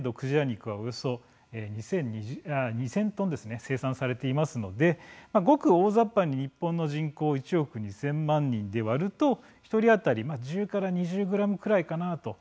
肉はおよそ２０００トンですね生産されていますのでごく大ざっぱに日本の人口１億２０００万人で割ると１人当たり１０２０ｇくらいかなと。